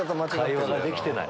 会話ができてない。